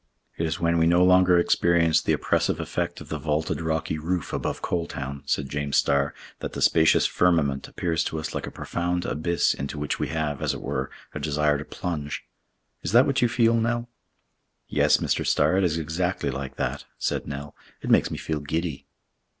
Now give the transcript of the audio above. "It is when we no longer experience the oppressive effect of the vaulted rocky roof above Coal Town," said James Starr, "that the spacious firmament appears to us like a profound abyss into which we have, as it were, a desire to plunge. Is that what you feel, Nell?" "Yes, Mr. Starr, it is exactly like that," said Nell. "It makes me feel giddy."